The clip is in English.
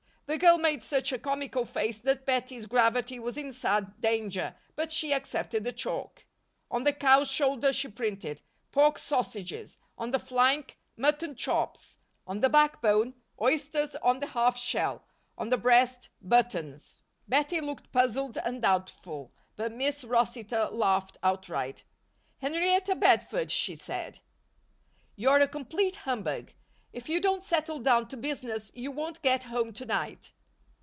The girl made such a comical face that Bettie's gravity was in sad danger, but she accepted the chalk. On the cow's shoulder she printed "Pork sausages," on the flank, "Mutton chops," on the backbone, "Oysters on the half shell," on the breast, "buttons." Bettie looked puzzled and doubtful but Miss Rossitor laughed outright. "Henrietta Bedford," she said, "you're a complete humbug. If you don't settle down to business you won't get home to night."